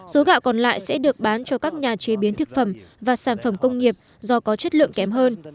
số gạo còn lại sẽ được bán cho các nhà chế biến thực phẩm và sản phẩm công nghiệp do có chất lượng kém hơn